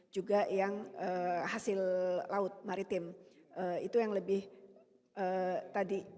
juga yang hasil laut maritim itu yang lebih tadi